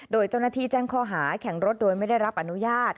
โดยเจ้าหน้าที่แจ้งข้อหาแข่งรถโดยไม่ได้รับอนุญาต